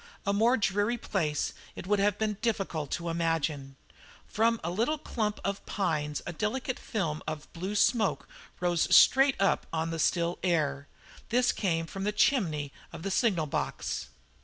A more dreary place it would have been difficult to imagine. From a little clump of pines a delicate film of blue smoke rose straight up on the still air. This came from the chimney of the signal box.